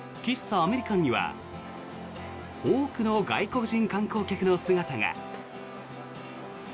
アメリカンには多くの外国人観光客の姿が。